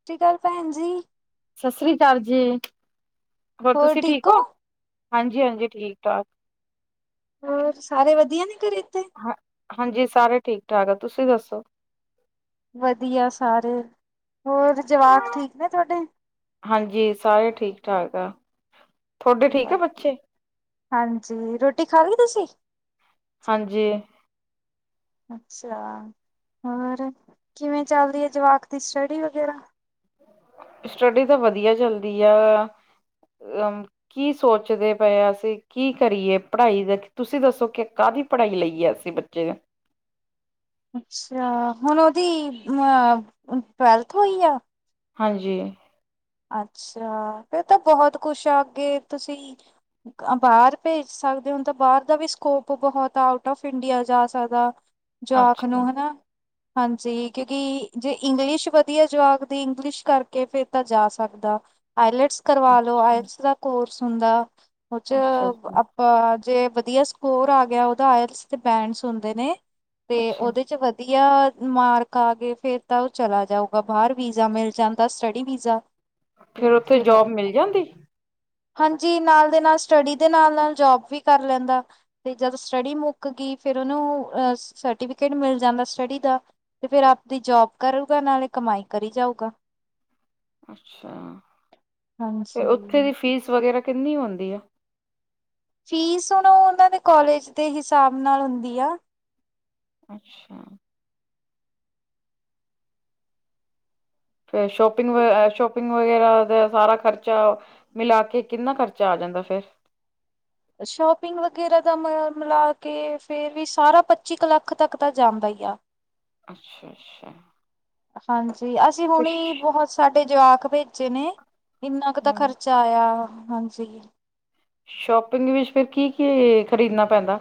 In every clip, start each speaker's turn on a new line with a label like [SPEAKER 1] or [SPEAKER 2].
[SPEAKER 1] ਸਤਿ ਸ਼੍ਰੀ ਅਕਾਲ ਭੈਣ ਜੀ।
[SPEAKER 2] ਸਤਿ ਸ੍ਰੀ ਅਕਾਲ ਜੀ ਹੋਰ ਤੁਸੀਂ ਠੀਕ ਹੋ ਹਾਂਜੀ ਹਾਂਜੀ ਠੀਕ ਠਾਕ।
[SPEAKER 1] ਹੋਰ ਸਾਰੇ ਵਧੀਆ ਨੇ ਘਰੇ ਇੱਥੇ।
[SPEAKER 2] ਹਾਂਜੀ ਸਾਰੇ ਠੀਕ ਠਾਕ ਆ ਤੁਸੀਂ ਦੱਸੋ।
[SPEAKER 1] ਵਧੀਆ ਸਾਰੇ ਹੋਰ ਜਵਾਕ ਠੀਕ ਨੇ ਤੁਹਾਡੇ।
[SPEAKER 2] ਹਾਂਜੀ ਸਾਰੇ ਠੀਕ ਠਾਕ ਆ। ਤੁਹਾਡੇ ਬੱਚੇ?
[SPEAKER 1] ਹਾਂਜੀ ਰੋਟੀ ਖਾ ਲੀ ਤੁਸੀਂ।
[SPEAKER 2] ਹਾਂਜੀ।
[SPEAKER 1] ਅੱਛਾ ਹੋਰ ਕਿਵੇਂ ਚੱਲ ਰਹੀ ਏ ਜਵਾਕ ਦੀ ਸਟੱਡੀ ਵਗੈਰਾ।
[SPEAKER 2] ਸਟੱਡੀ ਤਾਂ ਵਧੀਆ ਚੱਲਦੀ ਆ ਅ। ਕੀ ਸੋਚਦੇ ਪਏ ਆ ਅਸੀਂ ਕੀ ਕਰੀਏ ਪੜ੍ਹਾਈ ਦਾ ਤੁਸੀਂ ਦੱਸੋ ਕਿ ਕਾਹਦੀ। ਪੜ੍ਹਾਈ ਲਈਏ ਅਸੀਂ ਬੱਚੇ।
[SPEAKER 1] ਅੱਛਾ ਹੁਣ ਉਹਦੀ ਟਵੈਲਥ ਹੋਈ ਆ।
[SPEAKER 2] ਹਾਂਜੀ।
[SPEAKER 1] ਅੱਛਾ। ਫੇਰ ਤਾਂ ਬੋਹਤ ਕੁਛ ਆ ਅੱਗੇ ਤੁਸੀ ਆ ਬਾਹਰ ਭੇਜ ਸਕਦੇ ਹੁਣ ਤਾਂ ਬਾਹਰ ਦਾ ਵੀ ਸਕੋਪ ਬੋਹਤ ਆ ਆਊਟ ਔਫ ਇੰਡੀਆ ਜਾ ਸਕਦਾ। ਜਾਖ
[SPEAKER 2] ਅੱਛਾ,
[SPEAKER 1] ਨੂੰ ਹਨਾ। ਹਾਂਜੀ ਕਿਉਂਕਿ ਜੇ ਇੰਗਲਿਸ਼ ਵਧੀਆ ਜਵਾਕ ਦੀ ਇੰਗਲਿਸ਼ ਕਰਕੇ ਫੇਰ ਤਾਂ ਜਾ ਸਕ ਦਾ ਆਏਲੈਟਸ ਕਰਵਾ ਲੋ
[SPEAKER 2] ਅੱਛਾ,
[SPEAKER 1] ਆਏਲੈਟਸ ਦਾ ਕੋਰਸ ਹੁੰਦਾ
[SPEAKER 2] ਅੱਛਾ,
[SPEAKER 1] ਜੇ ਵਧੀਆ ਸਕੋਰ ਆ ਗਿਆ ਉਹਦਾ ਆਲ ਬੈਂਡਸ ਹੁੰਦੇ ਨੇ। ਤੇ
[SPEAKER 2] ਅੱਛਾ।
[SPEAKER 1] ਉਹਦੇ ਚ ਵਧ। ਵਧੀਆ ਮਾਰਕ ਆ ਗਏ ਫੇਰ ਤਾਂ ਉਹ ਚਲਾ ਜਾਊਗਾ ਬਾਹਰ ਵੀਜ਼ਾ ਮਿਲ ਜਾਂਦਾ ਸਟੱਡੀ ਵੀਜ਼ਾ।
[SPEAKER 2] ਫੇਰ
[SPEAKER 1] ਤੇ
[SPEAKER 2] ਉੱਥੇ
[SPEAKER 1] ਫਿਰ
[SPEAKER 2] ਜੋਬ ਮਿਲ ਜਾਂਦੀ।
[SPEAKER 1] ਹਾਂਜੀ ਨਾਲ ਦੇ ਨਾਲ ਸਟੱਡੀ ਦੇ ਨਾਲ ਨਾਲ ਜੋਬ ਵੀ ਕਰ ਲੈਂਦਾ। ਤੇ ਜਦੋਂ ਸਟੱਡੀ ਮੁੱਕ ਗਈ ਫਿਰ ਉਹਨੂੰ ਸਰਟੀਫਿਕੇਟ ਮਿਲ ਜਾਂਦਾ ਸਟੱਡੀ ਦਾ। ਤੇ ਫੇਰ ਆਪਦੀ ਜੋਬ ਕਰੂਗਾ ਨਾਲੇ ਕਮਾਈ ਕਰੀ ਜਾਊਗਾ।
[SPEAKER 2] ਅੱਛਾ ਤੇ
[SPEAKER 1] ਹਾਂਜੀ।
[SPEAKER 2] ਉੱਥੇ ਦੀ ਫੀਸ ਵਗੈਰਾ ਕਿੰਨੀ ਹੁੰਦੀ ਐ।
[SPEAKER 1] ਫੀਸ ਹੁਣ ਉਹ ਉਹਨਾਂ ਦੇ ਕੋਲਜ ਦੇ ਹਿਸਾਬ ਨਾਲ ਹੁੰਦੀ ਆ।
[SPEAKER 2] ਅੱਛਾ। ਫ ਸ਼ੋਪਿੰਗ ਸ਼ੋਪਿੰਗ। ਵਗੈਰਾ ਦਾ ਸਾਰਾ ਖਰਚਾ ਮਿਲਾ ਕੇ ਕਿੰਨਾ ਖਰਚਾ ਆ ਜਾਂਦਾ ਫੇਰ।
[SPEAKER 1] ਸ਼ੋਪਿੰਗ ਵਗੈਰਾ ਦਾ ਮ ਮਿਲਾ ਕੇ ਫੇਰ ਵੀ ਸਾਰਾ ਪੱਚੀ ਕ ਲੱਖ ਤੱਕ ਦਾ ਜਾਂਦਾ ਹੀ ਆ। ਹ [unintelligible]
[SPEAKER 2] ਅੱਛਾ ਅੱਛਾ।
[SPEAKER 1] ਹਾਂਜੀ ਅਸੀਂ ਹੁਣੇ ਬਹੁਤ ਸਾਡੇ ਜਵਾਕ ਭੇਜੇ ਨੇ। ਇੰਨਾ ਕੁ ਤਾਂ
[SPEAKER 2] ਹੂੰ
[SPEAKER 1] ਖਰਚਾ ਆਇਆ ਹਾਂਜੀ।
[SPEAKER 2] ਸ਼ੋਪਿੰਗ ਵਿੱਚ ਫੇਰ ਕੀ ਕੀ ਖਰੀਦਣਾ ਪੈਂਦਾ।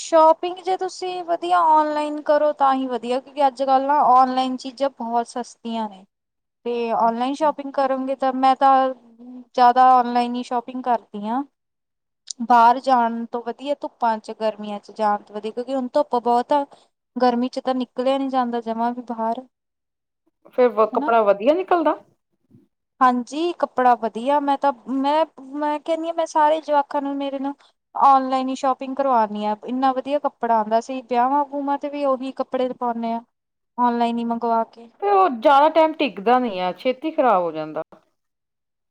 [SPEAKER 1] ਸ਼ੋਪਿੰਗ ਜੇ ਤੁਸੀਂ ਵਧੀਆ ਔਨਲਾਈਨ ਕਰੋ ਤਾਂ ਹੀ ਵਧੀਆ ਕਿਉਂਕਿ ਅੱਜ ਕੱਲ੍ਹ ਨਾ ਔਨਲਾਈਨ ਚੀਜ਼ਾਂ। ਬਹੁਤ ਸਸਤੀਆਂ ਨੇ ਤੇ ਔਨਲਾਈਨ ਸ਼ੋਪਿੰਗ ਕਰੋਗੇ। ਮੈਂ ਤਾਂ ਜਿਆਦਾ ਔਨਲਾਈਨ ਹੀ ਸ਼ੋਪਿੰਗ ਕਰਦੀ ਹਾਂ। ਬਾਹਰ ਜਾਣ ਤੋਂ ਵਧੀਆ ਧੁੱਪਾਂ। ਗਰਮੀਆਂ ਚ ਜਾਣ ਤੋ ਵਧੀਆ ਕਿਉਂਕਿ ਹੁਣ ਧੁੱਪ ਬਹੁਤ ਆ। ਗਰਮੀ ਚ ਤਾਂ ਨਿਕਲਿਆ ਨਹੀਂ ਜਾਂਦਾ ਜਮਾਂ ਵੀ ਬਾਹਰ।
[SPEAKER 2] ਫੇਰ
[SPEAKER 1] ਹਨਾ
[SPEAKER 2] ਕੱਪੜਾ ਵਧੀਆ ਨਿਕਲਦਾ।
[SPEAKER 1] ਹਾਂਜੀ ਕੱਪੜਾ ਵਧੀਆ ਮੈਂ ਤਾਂ ਮੈਂ। ਮੈਂ ਕਹਿੰਦੀ ਹਾਂ ਮੈਂ ਸਾਰੇ ਜਵਾਕਾਂ ਨੂੰ ਮੇਰੇ ਨੂੰ ਔਨਲਾਈਨ ਹੀ ਸ਼ੋਪ। ਸ਼ਾਪਿੰਗ ਕਰਵਾਉਣੀ ਆਂ ਇੰਨਾ ਵਧੀਆ ਕੱਪੜਾ ਆਉਂਦਾ ਅਸੀਂ ਵਿਆਹਾਂ ਵੂਆ ਤੇ ਵੀ ਉਹੀ ਕੱਪੜੇ ਪਾਉਂਦੇ ਆ। ਔਨਲਾਈਨ ਹੀ ਮੰਗਵਾ ਕੇ
[SPEAKER 2] ਫਿਰ ਉਹ ਜ਼ਿਆਦਾ ਟਾਈਮ ਟਿੱਕਦਾ ਨੀ ਆ ਛੇਤੀ ਖ਼ਰਾਬ ਹੋ ਜਾਂਦਾ।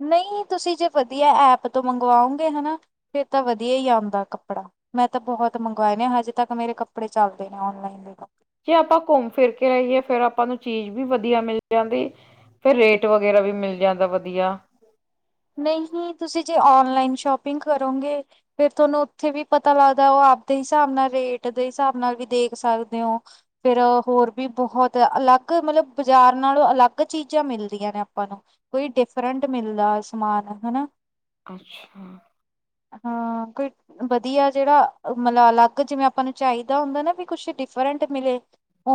[SPEAKER 1] ਨਹੀਂ ਤੁਸੀਂ ਜੇ ਵਧੀਆ ਐਪ ਤੋਂ ਮੰਗਵਾਓਗੇ ਹੈ ਨ ਫਿਰ ਤਾਂ ਵਧੀਆ ਹੀ ਆਉਂਦਾ ਕੱਪੜਾ ਮੈਂ ਤਾਂ ਬਹੁਤ ਮੰਗਵਾਏ ਨੇ ਹਜੇ ਤੱਕ ਮੇਰੇ ਕੱਪੜੇ ਚੱਲਦੇ ਨੇ ਔਨਲਾਈਨ ਦੇ
[SPEAKER 2] ਜੇ ਆਪਾਂ ਘੁੰਮ ਫਿਰ ਕੇ ਆਇਏ ਫੇਰ ਆਪਾਂ ਨੂੰ ਚੀਜ਼ ਵੀ ਵਧੀਆ ਮਿਲ ਜਾਂਦੀ। ਫਿਰ ਰੇਟ ਵਗੈਰਾ ਵੀ ਮਿਲ ਜਾਂਦਾ ਵਧੀਆ।
[SPEAKER 1] ਨਹੀਂ ਤੁਸੀਂ ਜੇ ਔਨਲਾਈਨ ਸ਼ੋਪਿੰਗ ਕਰੋਗੇ। ਫੇਿਰ ਤੁਹਾਨੂੰ ਉੱਥੇ ਵੀ ਪਤਾ ਲੱਗਦਾ ਉਹ ਆਪਦੇ ਹਿਸਾਬ ਨਾਲ ਰੇਟ ਦੇ ਹਿਸਾਬ ਨਾਲ ਵੀ ਦੇਖ ਸਕਦੇ ਹੋ। ਫਿਰ ਹੋਰ ਵੀ ਬਹੁਤ ਅਲੱਗ ਮਤਲਬ ਬਾਜ਼ਾਰ ਨਾਲੋਂ ਅਲੱਗ ਚੀਜ਼ਾਂ ਮਿਲਦੀਆਂ ਨੇ ਆਪਾਂ ਨੂੰ ਕੋਈ ਡਿਫਰੈਂਟ ਮਿਲਦਾ ਸਮਾਨ ਹਨਾ
[SPEAKER 2] ਅੱਛਾ।
[SPEAKER 1] ਹਾਂ ਕੋਈ ਵਧੀਆ ਜਿਹੜਾ ਮਤਲਬ ਅਲੱਗ ਜਿਵੇਂ ਆਪਾਂ ਨੂੰ ਚਾਹੀਦਾ ਹੁੰਦਾ ਨਾ ਵੀ ਕੁਛ ਡਿਫਰੈਂਟ ਮਿਲੇ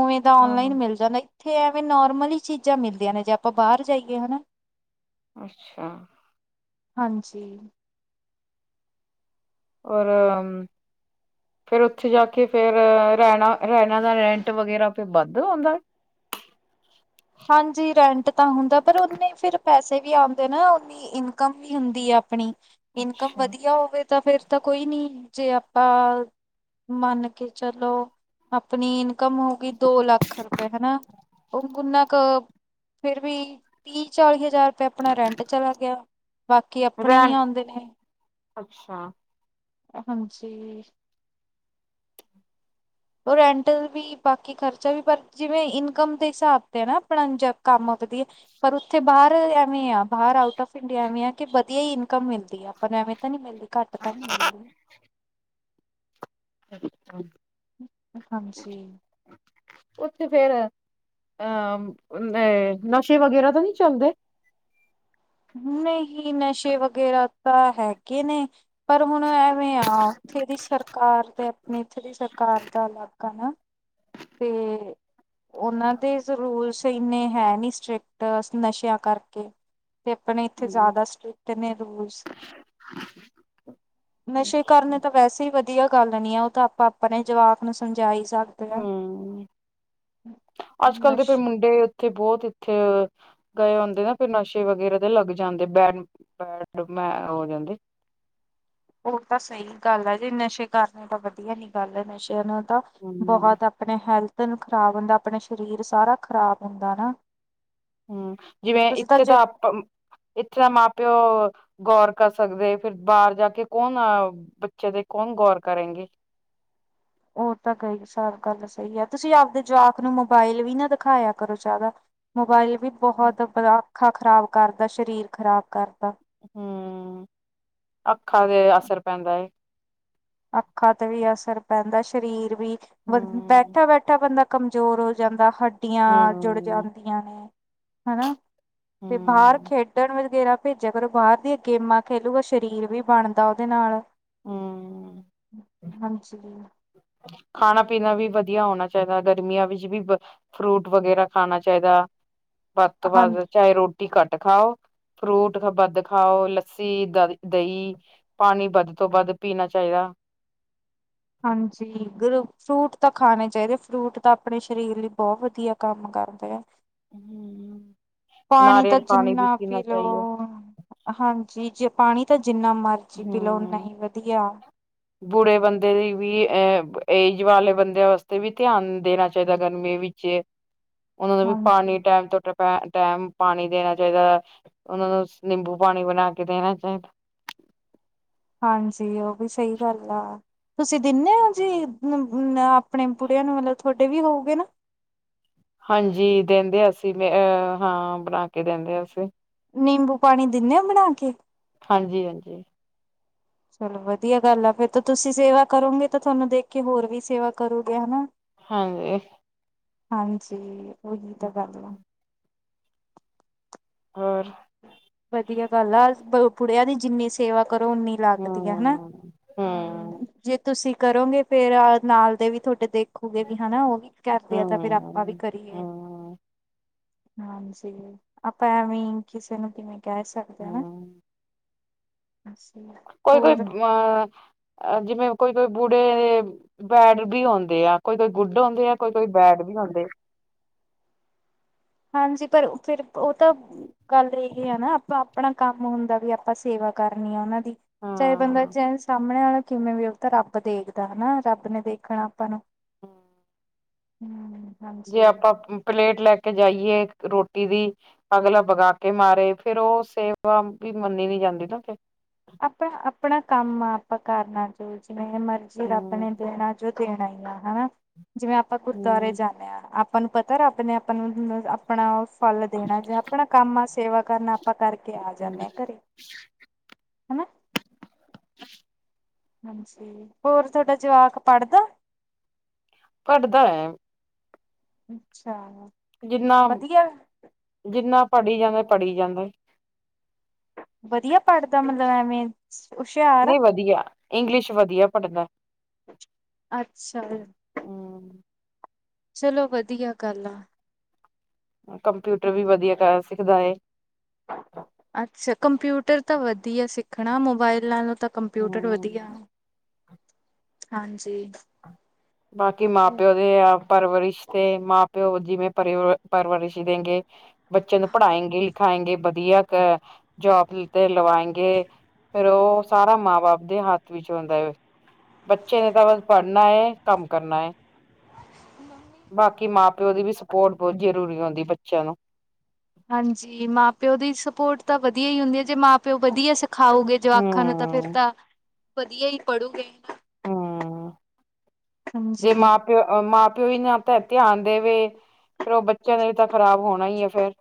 [SPEAKER 1] ਉਵੇਂ ਤਾਂ
[SPEAKER 2] ਹਾਂ
[SPEAKER 1] ਔਨਲਾਈਨ ਮਿਲ ਜਾਂਦਾ ਇੱਥੇ ਐਵੇਂ ਨੋਰਮਲ ਚੀਜ਼ਾਂ ਮਿਲਦੀਆਂ ਨੇ ਜੇ ਆਪਾਂ ਬਾਹਰ ਜਾਈਏ ਹਨਾ
[SPEAKER 2] ਅੱਛਾ।
[SPEAKER 1] ਹਾਂਜੀ।
[SPEAKER 2] ਰ ਫੇਿਰ ਉੱਥੇ ਜਾ ਕੇ ਫੇਿਰ ਰਹਿਣਾ ਰਹਿਣਾ ਦਾ ਰੈਂਟ ਵਗੈਰਾ ਫ ਵੱਧ ਆਉਂਦਾ।
[SPEAKER 1] ਹਾਂਜੀ ਰੈਂਟ ਤਾਂ ਹੁੰਦਾ ਪਰ ਉਨੇ ਫਿਰ ਪੈਸੇ ਵੀ ਆਉਂਦੇ ਨਾ ਨੀ। ਇਨਕਮ ਵੀ ਹੁੰਦੀ ਹੈ ਆਪਣੀ ਇਨਕਮ
[SPEAKER 2] ਅੱਛਾ।
[SPEAKER 1] ਵਧੀਆ ਹੋਵੇ। ਤਾਂ ਫਿਰ ਤਾਂ ਕੋਈ ਨੀ ਜੇ ਆਪਾਂ ਮੰਨ ਕੇ ਚਲੋ। ਆਪਣੀ ਇਨਕਮ ਹੋ ਗਈ ਦੋ ਲੱਖ ਰੁਪਏ ਹਨਾ ਉਹਗੁਨਾ। ਕ ਫਿਰ ਵੀ ਤੀਹ ਚਾਲੀ ਹਜ਼ਾਰ ਆਪਣਾ ਰੈਂਟ ਚਲਾ ਗਿਆ ਬਾਕੀ ਆਪਣੇ ਹੀ
[SPEAKER 2] ਰਹਿਣ
[SPEAKER 1] ਆਉਂਦੇ ਨੇ।
[SPEAKER 2] ਅੱਛਾ।
[SPEAKER 1] ਹਾਂਜੀ। ਉਹ ਰੈਂਟ ਵੀ ਬਾਕੀ ਖਰਚਾ ਵੀ ਪਰ ਜਿਵੇਂ ਇਨਕਮ ਦੇ ਹਿਸਾਬ ਤੇ ਨਾ ਆਪਣਾ ਕੰਮ ਵਧਦੀ ਹੈ। ਪਰ ਉੱਥੇ ਬਾਹਰ ਐਵੇਂ ਆ ਬਾਹਰ ਆਊਟ ਆਫ ਪਿੰਡਿਆਵੇ ਆ ਕਿ ਵਧੀਆ ਹੀ ਇਨਕਮ ਮਿਲਦੀ ਹੈ ਆਪਾਂ ਨੂੰ ਐਵੇਂ ਤਾਂ ਨਹੀਂ ਘੱਟ ਤਾਂ ਹੀ ਮਿਲਦੀ।
[SPEAKER 2] ਅੱਛਾ।
[SPEAKER 1] ਹਾਂਜੀ।
[SPEAKER 2] ਉੱਥੇ ਫੇਰ ਅਹ ਅ ਨਸ਼ੇ ਵਗੈਰਾ ਤਾਂ ਨਹੀਂ ਚੱਲਦੇ।
[SPEAKER 1] ਨਹੀਂ ਨਸ਼ੇ ਵਗੈਰਾ ਤਾਂ ਹੈਗੇ ਨੇ ਪਰ ਹੁਣ ਐਵੇਂ ਆ ਉੱਥੇ ਦੀ ਸਰਕਾਰ ਤੇ ਆਪਣੀ ਇੱਥੇ ਦੀ ਸਰਕਾਰ ਦਾ ਅਲੱਗ ਆ ਨਾ ਤੇ ਉਹਨਾਂ ਦੇ ਰੂਲਸ ਇੰਨੇ ਹੈ ਨੀ ਸਟ੍ਰਿਕਟ ਨਸ਼ਿਆਂ ਕਰਕੇ ਤੇ ਆਪਣੇ ਇੱਥੇ
[SPEAKER 2] ਹੂੰ
[SPEAKER 1] ਜ਼ਿਆਦਾ ਸਟ੍ਰਿਕਟ ਨੇ ਰੂਲਸ ਨਸ਼ੇ
[SPEAKER 2] ਅੱਛਾ
[SPEAKER 1] ਕਰਨੇ ਤਾਂ ਵੈਸੇ ਹੀ ਵਧੀਆ ਗੱਲ ਨੀ ਆ ਉਹ ਤਾਂ ਆਪਾਂ ਆਪਣੇ ਜਵਾਕ ਨੂੰ ਸਮਝਾ ਹੀ ਸਕਦੇ ਹਾਂ।
[SPEAKER 2] ਹੂੰ ਅੱਜ ਕੱਲ੍ਹ ਦੇ
[SPEAKER 1] ਨਸ਼
[SPEAKER 2] ਫ ਮੁੰਡੇ ਉੱਥੇ ਬਹੁਤ ਇੱਥੇ ਗਏ ਹੁੰਦੇ ਨਾ ਫਿਰ ਨਸ਼ੇ ਵਗੈਰਾ ਦੇ ਲੱਗ ਜਾਂਦੇ ਬੈਡ ਬੈਡ ਮੈਂ ਹੋ ਜਾਂਦੇ।
[SPEAKER 1] ਉਹ ਤਾਂ ਸਹੀ ਗੱਲ ਹੈ ਜੇ ਨਸ਼ੇ ਕਰਨੇ ਤਾਂ ਵਧੀਆ ਨੀ ਗੱਲ ਹੈ ਨਸ਼ਿਆਂ ਨੂੰ ਤਾਂ
[SPEAKER 2] ਹੂੰ
[SPEAKER 1] ਬਹੁਤ ਆਪਣੇ ਹੈਲਥ ਨੂੰ ਖ਼ਰਾਬ ਹੁੰਦਾ ਆਪਣੇ ਸਰੀਰ ਸਾਰਾ ਖ਼ਰਾਬ ਹੁੰਦਾ ਨਾ।
[SPEAKER 2] ਹਮ ਜਿਵੇਂ
[SPEAKER 1] ਤੁਸੀਂ
[SPEAKER 2] ਇੱਥੇ
[SPEAKER 1] ਜਿਮ
[SPEAKER 2] ਤਾਂ ਆਪ ਇੱਥੇ ਦਾ ਮਾਂ ਪਿਓ ਗੌਰ ਕਰ ਸਕਦੇ ਫਿਰ ਬਾਹਰ ਜਾ ਕੇ ਕੌਣ ਅ ਬੱਚੇ ਦੇ ਕੌਣ ਗੌਰ ਕਰੇਗੇ।
[SPEAKER 1] ਹੋਰ ਤਾਂ ਗਈ ਸਾਰ ਗੱਲ ਸਹੀ ਹੈ ਤੁਸੀਂ ਆਪਦੇ ਜਵਾਕ ਨੂੰ ਮੋਬਾਇਲ ਵੀ ਨਾ ਦਿਖਾਇਆ ਕਰੋ ਜ਼ਿਆਦਾ। ਮੋਬਾਇਲ ਵੀ ਬਹੁਤ ਅਖਾਂ ਖ਼ਰਾਬ ਕਰਦਾ ਸਰੀਰ ਖ਼ਰਾਬ ਕਰਦਾ।
[SPEAKER 2] ਹੂੰ, ਅੱਖਾਂ ਦੇ ਅਸਰ ਪੈਂਦਾ ਏ।
[SPEAKER 1] ਅੱਖਾਂ ਤੇ ਵੀ ਅਸਰ ਪੈਂਦਾ, ਸ਼ਰੀਰ ਵੀ, ਬ
[SPEAKER 2] ਹੂੰ।
[SPEAKER 1] ਬੈਠਾ-ਬੈਠਾ ਬੰਦਾ ਕਮਜੋਰ ਹੋ ਜਾਂਦਾ, ਹੱਡੀਆਂ ਜੂੜ
[SPEAKER 2] ਹੂੰ,
[SPEAKER 1] ਜਾਂਦੀਆਂ ਨੇ, ਹਨਾ। ਤੇ ਬਾਹਰ
[SPEAKER 2] ਹੂੰ,
[SPEAKER 1] ਖੇਡਣ ਵਗੈਰਾ ਭੇਜੇਆ ਕਰੋ ਬਾਹਰ ਦੀਆਂ ਗੇਮਾਂ ਖੇਲੂਗਾ ਸ਼ਰੀਰ ਵੀ ਬਾਣਦਾ ਓਦੇ ਨਾਲ਼।
[SPEAKER 2] ਹੂੰ।
[SPEAKER 1] ਹਾਂਜੀ।
[SPEAKER 2] ਖਾਨਾ-ਪੀਨਾ ਵੀ, ਵਦੀਆ ਹੋਨਾ ਚਾਈਦਾ ਗਰਮੀਆਂ ਵਿੱਚ ਵੀ ਬ ਫ੍ਰੂਟ ਵਗੈਰਾ ਖਾਨਾ ਚਾਈਦਾ, ਵੱਦ ਤੋਂ
[SPEAKER 1] ਹਾਂਜੀ
[SPEAKER 2] ਵੱਦ ਚਾਹੇ ਰੋਟੀ ਘਾਟ ਖਾਓ। ਫ੍ਰੂਟ ਖ ਬਾੱਦ ਖਾਓ, ਲੱਸੀ ਈ ਦਹੀ। ਪਾਨੀ ਬਦ ਤੋਂ ਬਦ ਪੀਨਾ ਚਾਈਦਾ।
[SPEAKER 1] ਹਾਂਜੀ, ਗੁਰੂ ਫ੍ਰੂਟ ਤਾਂ ਖਾਨੇ ਚਾਈਦੇ, ਫ੍ਰੂਟ ਤਾਂ ਆਪਨੇ ਸ਼ਰੀਰ ਲਈ ਬੋਹ ਵਦੀਆ। ਕਾੰਮ ਕਾਰਦੇ ਆ।
[SPEAKER 2] ਹੂੰ
[SPEAKER 1] ਪਾਣੀ ਤਾਂ,
[SPEAKER 2] ਨਾਰੀਅਲ ਪਾਣੀ ਵੀ
[SPEAKER 1] ਜਿੰਨਾ
[SPEAKER 2] ਪੀਣਾ
[SPEAKER 1] ਪੀ ਲੋ
[SPEAKER 2] ਚਾਹੀਦਾ
[SPEAKER 1] ਹਾਂਜੀ, ਜੇ ਪਾਣੀ ਤਾਂ, ਜਿੰਨਾ ਮਾਰਜੀ ਪਿਲੋ ਓਨਾ
[SPEAKER 2] ਹੂੰ
[SPEAKER 1] ਈ ਵਦੀਆ।
[SPEAKER 2] ਬੁੜੇ ਬੰਦੇ ਦੇ ਵੀ, ਏ ਏਜ ਵਾਲੇ ਬੰਦੇਆਂ ਵਾਸਤੇ ਵੀ, ਧੇਆਨ ਦੇਨਾ ਚਾਈਦਾ ਗਰਮੀਆਂ ਵਿੱਚ। ਜੇ, ਓਨਾ ਨੂੰ ਵੀ ਪਾਨੀ
[SPEAKER 1] ਹਾਂਜੀ
[SPEAKER 2] ਟੈਮ ਤੋਂ, ਟ ਪੈ, ਟੈਮ ਪਾਨੀ ਦੇਨਾ ਚਾਈਦੈ, ਓਨਾਂ ਨੂੰ ਸ ਨਿੰਬੂ ਪਾਨੀ ਬਨਾ ਕੇ ਦੇਨਾ ਚਾਈਦਾ।
[SPEAKER 1] ਹਾਂਜੀ, ਓ ਵੀ ਸਈ ਗਾੱਲ ਆ। ਤੁਸੀ ਦਿੰਨੇਂ ਓ ਜੀ, ਨ ਆਪਣੇ ਬੁੜੇਆਂ ਨੂੰ ਮਤਲੱਬ ਤੁਹਾਡੇ ਵੀ ਹੋਊਗੇ ਨਾ?
[SPEAKER 2] ਹਾਂਜੀ, ਦੈਂਦੇ ਅਸੀ ਮੇ ਅ ਹਾਂ ਬਨਾ ਕੇ ਦੇਂਦੇ ਅਸੀ
[SPEAKER 1] ਨਿੰਬੂ ਪਾਣੀ ਦਿੰਨੇ ਓ ਬਣਾ ਕੇ
[SPEAKER 2] ਹਾਂਜੀ, ਹਾਂਜੀ।
[SPEAKER 1] ਚਲੋ ਵਦੀਆ ਗਾੱਲ ਆ, ਫੇਰ ਤਾ ਤੁਸੀਂ ਸੇਵਾ ਕਰੋਂਗੇ ਤਾਂ ਥੋਨੂੰ ਦੇਖ ਕੇ ਹੋਰ ਵੀ ਸੇਵਾ ਕਰੂਗੇ ਹਨਾ।
[SPEAKER 2] ਹਾਂਜੀ।
[SPEAKER 1] ਹਾਂਜੀ ਓਹੀ ਤਾਂ ਗਾੱਲ ਆ।
[SPEAKER 2] ਓਰ?
[SPEAKER 1] ਵਦੀਆ ਗਾੱਲ ਆ, ਜ ਬੁੜੇਆਂ ਦੀ ਜਿੰਨੀ ਸੇਵਾ ਕਰੋ, ਓਨੀ
[SPEAKER 2] ਹੂੰ
[SPEAKER 1] ਲਾੱਗਦੀ ਆ, ਹਨਾ? ਹਾਂ,
[SPEAKER 2] ਹੂੰ
[SPEAKER 1] ਜੇ ਤੁਸੀ ਕਰੋਂਗੇ ਫੇ ਅ, ਨਾਲ਼ ਦੇ ਵੀ ਥੋਡੇ ਦੇਖੂਗੇ ਵੀ ਹਨਾ ਓਵੀ। ਕਾਰਦੇ ਆ, ਤਾਂ ਫੇਰ ਆਪਾਂ ਵੀ
[SPEAKER 2] ਹੂੰ
[SPEAKER 1] ਕਰੀਏ।
[SPEAKER 2] ਹੂੰ
[SPEAKER 1] ਹਾਂਜੀ, ਆਪਾਂ ਐਵਈ ਕਿਸੇ ਨੂੰ ਬੀ ਨੀ ਕੈ ਸਾਕ
[SPEAKER 2] ਹੂੰ।
[SPEAKER 1] ਹਾਂਜੀ।
[SPEAKER 2] ਕੋਈ-ਕੋਈ ਬ, ਅਂ ਜਿਵੇਂ ਕੋਈ-ਕੋਈ ਬੁੱੜੇ ਬੈੜ ਬੀ ਹੋਂਦੇ ਆ, ਕੋਈ-ਕੋਈ ਗੁੱਡ ਹੋਂਦੇ ਆ, ਕੋਈ-ਕੋਈ ਬੈੜ ਬੀ ਹੋਂਦੇ ਆ।
[SPEAKER 1] ਹਾਂਜੀ, ਪਰ ਅ, ਫੇਰ ਓ ਤਾਂ ਗਾੱਲ ਏਹੇ ਆ ਨਾ, ਆਪਾਂ ਆਪਣਾ ਕਾੰਮ ਹੁੰਦਾ, ਵੀ ਆਪਾ ਸੇਵਾ ਕਾਰਨੀ ਆ ਓਨਾਂ ਦੀ ਚਾਏ ਬੰਦਾ
[SPEAKER 2] ਹਾਂ
[SPEAKER 1] ਜੇ ਸਾਮਣੇ ਵਾਲਾ਼ ਕਿਵੇਂ ਵੀ ਓ ਤਾਂ ਰਾੱਬ ਦੇਖਦਾ ਹਨਾ, ਰਾੱਬ ਨੇ ਦੇਖਣਾ ਆਪਾਂ ਨੂੰ।
[SPEAKER 2] ਹੂੰ।
[SPEAKER 1] ਹੂੰ।
[SPEAKER 2] ਜੇ
[SPEAKER 1] ਹਾਂਜੀ।
[SPEAKER 2] ਆਪਾਂ, ਪ ਪਲੇਟ ਲੈ ਕੇ ਜਾਈਏ ਏ ਰੋਟੀ ਦੀ ਅੱਗਲਾ ਬਗਾ ਕੇ ਮਾਰੇ, ਫੇਰ ਓ ਸੇਵਾ ਵੀ ਮੰਨੀ ਨੀ ਜਾਂਦੀ ਨਾ ਫੇਰ।
[SPEAKER 1] ਅਪਣਾ-ਆਪਣਾ ਕੰਮ ਆ, ਆਪਾਂ ਕਾਰਨਾ ਜੋ ਜਿਵੇਂ ਮਾਰਜੀ, ਰਾੱਬ
[SPEAKER 2] ਹੂੰ
[SPEAKER 1] ਨੇ ਦੇਣਾ ਜੋ, ਦੇਣਾ ਈ ਆ ਹਣਾ। ਜਿਵੇਂ ਆਪਾਂ ਗੁਰਦਾਰੇ
[SPEAKER 2] ਹੂੰ
[SPEAKER 1] ਜਾਂਨੇ ਆਂ, ਆਪਾਂ ਨੂੰ ਪਤਾ ਰਾੱਬ ਨੇ ਆਪਾਂ ਨੂੰ ਆਪਣਾ ਓ ਫਾਲ ਦੇਣਾ, ਜੋ ਆਪਣਾ ਕੰਮ ਆ ਸੇਵਾ ਕਾਰਨਾ ਆਪਾਂ ਕਾਰਕੇ ਆ
[SPEAKER 2] ਹੂੰ
[SPEAKER 1] ਜਾਂਨੇ ਆ ਘਰੇ। ਹਨਾ।
[SPEAKER 2] [inaudible]
[SPEAKER 1] ਹਾਂਜੀ, ਹੋਰ ਥੋਡਾ ਜਵਾਕ ਪਾੜਦਾ?
[SPEAKER 2] ਪੜ੍ਹਦਾ ਹੈ।
[SPEAKER 1] ਅੱਛਾ।
[SPEAKER 2] ਜਿੰਨਾ,
[SPEAKER 1] ਵਧੀਆ
[SPEAKER 2] ਜਿੰਨਾ ਪੜ੍ਹੀ ਜਾਂਦੇ, ਪੜ੍ਹੀ ਜਾਂਦੇ।
[SPEAKER 1] ਵਧੀਆ ਪੜ੍ਹਦਾ ਮਤਲਬ ਐਵੇਂ। ਉਸ਼ਿਆ
[SPEAKER 2] ਨਹੀਂ ਵਧੀਆ ਇੰਗਲਿਸ਼ ਵਧੀਆ ਪੜ੍ਹਦਾ।
[SPEAKER 1] ਅੱਛਾ
[SPEAKER 2] ਹਮ
[SPEAKER 1] ਚਲੋ ਵਧੀਆ ਗੱਲ ਆ।
[SPEAKER 2] ਕੰਪਿਊਟਰ ਵੀ ਵਧੀਆ ਕਰ ਸਿੱਖਦਾ ਹੈ।
[SPEAKER 1] ਅੱਛਾ ਕੰਪਿਊਟਰ ਤਾਂ ਵਧੀਆ ਸਿੱਖਣਾ ਮੋਬਾਇਲ ਨਾਲੋਂ ਤਾਂ ਕੰਪਿਊਟਰ ਵਧੀਆ
[SPEAKER 2] ਹੂੰ
[SPEAKER 1] ਹਾਂਜੀ
[SPEAKER 2] ਬਾਕੀ ਮਾਂ ਪਿਓ ਦੇ ਆ ਪਰਵਰਿਸ਼ ਤੇ ਮਾਂ ਪਿਓ ਜਿਵੇਂ ਪਰ ਪਰਵਰਿਸ਼ ਦਿੰਗੇ। ਬੱਚੇ ਨੂੰ ਪੜ੍ਹਾਏਗੇ ਲਿਖਾਏਗੇ ਵਧੀਆ ਅ ਜੋਬ ਤੇ ਲਵਾਏ ਗ ਫੇਿਰ ਉਹ ਸਾਰਾ ਮਾਂ ਬਾਪ ਦੇ ਹੱਥ ਵਿੱਚ ਹੁੰਦਾ ਹੈ ਬੱਚੇ ਨੇ ਤਾਂ ਬ ਪੜ੍ਹਨਾ ਹੈ ਕੰਮ ਕਰਨਾ ਹੈ। ਬਾਕੀ ਮਾਂ ਪਿਓ ਦੀ ਵੀ ਸਪੋਰਟ ਬਹੁਤ ਜ਼ਰੂਰੀ ਹੁੰਂਦੀ ਬੱਚਿਆਂ ਨੂੰ
[SPEAKER 1] ਹਾਂਜੀ ਮਾਂ ਪਿਓ ਦੀ ਸਪੋਰਟ ਤਾਂ ਵਧੀਆ ਹੀ ਹੁੰਦੀ ਹੈ ਜੇ ਮਾਂ ਪਿਓ ਵਧੀਆ ਖਾਓਗੇ ਜਵਾਖਾਂ ਨੂੰ ਤਾਂ ਫੇਿਰ
[SPEAKER 2] ਹਮ
[SPEAKER 1] ਤਾਂ ਵਧੀਆ ਹੀ ਪੜੂਗੇ
[SPEAKER 2] ਹਮਮ, ਜੇ ਮਾਂ
[SPEAKER 1] ਹਾਂਜੀ।
[SPEAKER 2] ਪ, ਮਾਂ-ਪਿਓ ਵੀ ਨਾ, ਤਾਂ ਧਿਆਨ ਦੇਵੇ, ਫਿਰ ਉਹ ਬੱਚਿਆਂ ਣੇ ਵੀ, ਤਾਂ ਖਰਾਬ ਹੋਣਾ ਹੀ ਹੈ। ਫਿਰ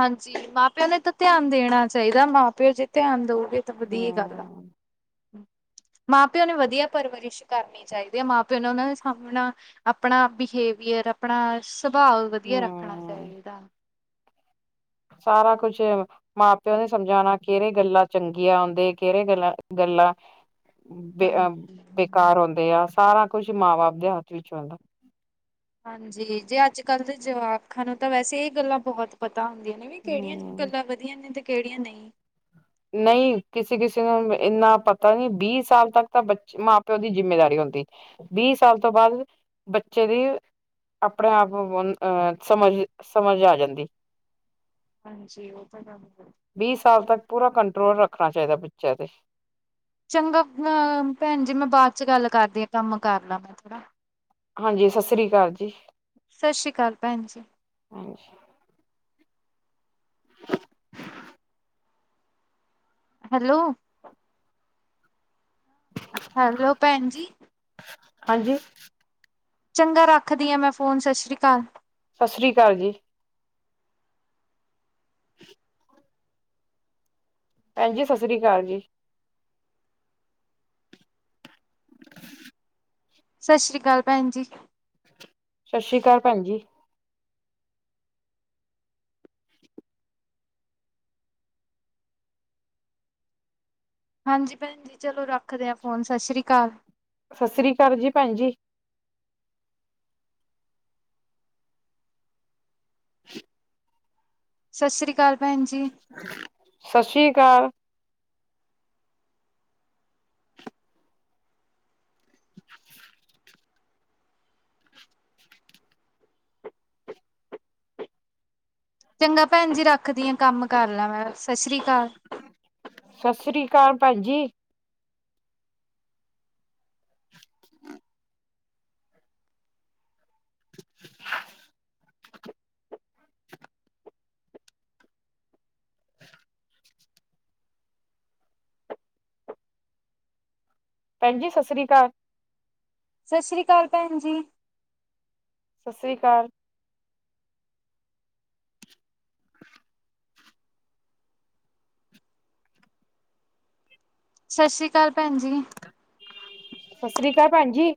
[SPEAKER 1] ਹਾਂਜੀ ਮਾਂ ਪਿਓ ਨੇ ਤਾਂ ਧਿਆਨ ਦੇਣਾ ਚਾਹੀਦ। ਮਾਂ ਪਿਓ ਜੇ ਧਿਆਨ ਦਓਗੇ। ਤਾਂ ਵਧੀਆ ਗੱਲ ਆ।
[SPEAKER 2] ਹਮ
[SPEAKER 1] ਮਾਂ ਪਿਓ ਨੇ ਵਧੀਆ ਪਰਵਰਿਸ਼ ਕਰਨੀ ਚਾਹੀਦੀ ਹੈ ਮਾਂ ਪਿਓ ਨੇ ਉਹਨਾਂ ਦੇ ਸਾਹਮਣਾ ਆਪਣਾ ਬਿਹੇਵੀਅਰ ਆਪਣਾ ਸੁਭਾਅ ਵਧੀਆ ਰੱਖਣਾ
[SPEAKER 2] ਹਮ
[SPEAKER 1] ਚਾਹੀਦਾ।
[SPEAKER 2] ਸਾਰਾ ਕੁਛ ਮਾਂ ਪਿਓ ਨੇ ਸਮਝਾਉਣਾ ਕਿਹੜੇ ਗੱਲਾਂ ਚੰਗੀਆਂ ਆਦੇ ਕਿਹੜੇ ਗੱਲ ਗੱਲਾਂ ਬੇ
[SPEAKER 1] ਹਾਂ
[SPEAKER 2] ਅ ਬੇਕਾਰ ਹੁੰਦੇ ਆ ਸਾਰਾ ਕੁਝ ਮਾਂ ਬਾਪ ਦੇ ਹੱਥ ਵਿੱਚ ਹੁੰਦਾ।
[SPEAKER 1] ਹਾਂਜੀ ਜੇ ਅੱਜ ਕੱਲ੍ਹ ਦੇ ਜਵਾਕਾਂ ਨੂੰ ਤਾਂ ਵੈਸੇ ਇਹ ਗੱਲਾਂ ਬਹੁਤ ਪਤਾ ਹੁੰਦੀਆਂ ਨੇ ਵੀ ਕਿਹੜੀਆਂ
[SPEAKER 2] ਹਮ
[SPEAKER 1] ਗੱਲਾਂ ਵਧੀਆ ਨੇ ਤੇ ਕਿਹੜੀਆਂ ਨਹੀਂ।
[SPEAKER 2] ਨਹੀਂ ਕਿਸੇ ਕਿਸੇ ਨੂੰ ਇੰਨਾ ਪਤਾ ਨੀ ਵੀਹ ਸਾਲ ਤੱਕ ਤਾਂ ਬ ਮਾਂ ਪਿਓ ਦੀ ਜਿੰਮੇਦਾਰੀ ਹੁੰਦੀ। ਵੀਹ ਸਾਲ ਤੋਂ ਬਾਅਦ ਬੱਚੇ ਦੀ ਆਪਣੇ ਆਪ ਅਹ ਸਮਝ ਸਮਝ ਆ ਜਾਂਦੀ।
[SPEAKER 1] ਹਾਂਜੀ ਉਹ ਤਾਂ ਗ
[SPEAKER 2] ਵੀਹ ਸਾਲ ਤੱਕ ਪੂਰਾ ਕੰਟਰੋਲ ਰੱਖਣਾ ਚਾਹੀਦਾ ਬੱਚਿਆਂ ਦੇ
[SPEAKER 1] ਚੰਗਾ ਅ ਭੈਣ ਜੀ ਮੈਂ ਬਾਅਦ ਚ ਗੱਲ ਕਰਦੀ ਹਾਂ ਕੰਮ ਕਰ ਲਾ ਮੈਂ ਥੋੜ੍ਹਾ
[SPEAKER 2] ਹਾਂਜੀ ਸਤਿ ਸ੍ਰੀ ਅਕਾਲ ਜੀ।
[SPEAKER 1] ਸਤਿ ਸ਼੍ਰੀ ਅਕਾਲ ਭੈਣ ਜੀ
[SPEAKER 2] ਹ
[SPEAKER 1] ਹੈਲੋ ਹੈਲੋ ਭੈਣ ਜੀ
[SPEAKER 2] ਹਾਂਜੀ
[SPEAKER 1] ਚੰਗਾ ਰੱਖਦੀ ਹਾਂ ਮੈਂ ਫੋਨ ਸਤਿ ਸ਼੍ਰੀ ਅਕਾਲ
[SPEAKER 2] ਸਤਿ ਸ਼੍ਰੀ ਅਕਾਲ ਜੀ ਭੈਣਜੀ ਸਤਿ ਸ੍ਰੀ ਅਕਾਲ ਜੀ
[SPEAKER 1] ਸਤਿ ਸ਼੍ਰੀ ਅਕਾਲ ਭੈਣ ਜੀ
[SPEAKER 2] ਸਤਿ ਸ਼੍ਰੀ ਅਕਾਲ ਭੈਣ ਜੀ।
[SPEAKER 1] ਹਾਂਜੀ ਭੈਣ ਜੀ ਚਲੋ ਰੱਖਦੇ ਹ ਫੋਨ ਸਤਿ ਸ਼੍ਰੀ ਅਕਾਲ।
[SPEAKER 2] ਸਤਿ ਸ੍ਰੀ ਅਕਾਲ ਜੀ ਭੈਣ ਜੀ
[SPEAKER 1] ਸਤਿ ਸ਼੍ਰੀ ਅਕਾਲ, ਭੈਣ ਜੀ।
[SPEAKER 2] ਸਤਿ ਸ੍ਰੀ ਅਕਾਲ।
[SPEAKER 1] ਚੰਗਾ ਭੈਣ ਜੀ ਰੱਖਦੀ ਆ, ਕੰਮ ਕਰ ਲਾ ਮੈਂ, ਸਤਿ ਸ੍ਰੀ ਅਕਾਲ।
[SPEAKER 2] ਸਤਿ ਸ੍ਰੀ ਅਕਾਲ ਭੈਣ ਜੀ। [inaudible] ਭੈਣ ਜੀ ਸਤਿ ਸ੍ਰੀ ਅਕਾਲ।
[SPEAKER 1] ਸਤਿ ਸ੍ਰੀ ਅਕਾਲ ਭੈਣ ਜੀ।
[SPEAKER 2] ਸਤਿ ਸ੍ਰੀ ਅਕਾਲ
[SPEAKER 1] ਸਤਿ ਸ਼੍ਰੀ ਅਕਾਲ, ਭੈਣ ਜੀ।
[SPEAKER 2] ਸਤਿ ਸ੍ਰੀ ਅਕਾਲ ਭੈਣ ਜੀ।